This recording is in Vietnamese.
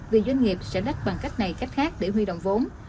vì doanh nghiệp sẽ đắt bằng cách này cách khác để huy động vốn